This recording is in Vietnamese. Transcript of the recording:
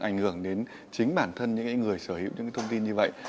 ảnh hưởng đến chính bản thân những người sở hữu những thông tin như vậy